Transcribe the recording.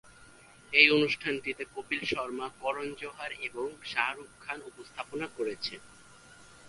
এই অনুষ্ঠানটিতে কপিল শর্মা, করণ জোহর এবং শাহরুখ খান উপস্থাপনা করেছেন।